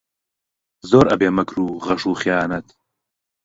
زۆر ئەبێ مەکر و غەش و خەیانەت